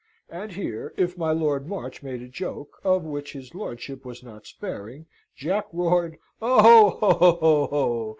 And here, if my Lord March made a joke, of which his lordship was not sparing, Jack roared, "Oh, ho, ho!